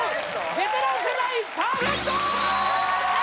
ベテラン世代パーフェクトー！